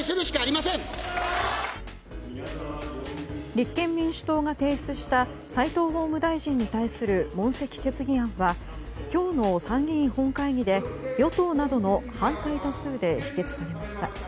立憲民主党が提出した齋藤法務大臣に対する問責決議案は今日の参議院本会議で与党などの反対多数で否決されました。